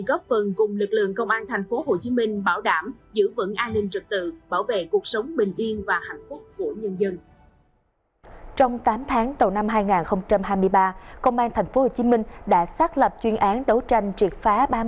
trong tám tháng đầu năm hai nghìn hai mươi ba công an tp hcm đã xác lập chuyên án đấu tranh triệt phá ba mươi một